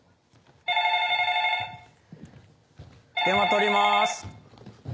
☎電話取ります。